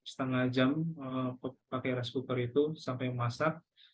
setengah jam pakai rice cooper itu sampai masak